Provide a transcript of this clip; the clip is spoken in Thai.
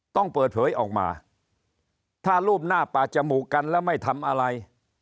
ต้องเปิดเผยออกมาถ้ารูปหน้าป่าจมูกกันแล้วไม่ทำอะไร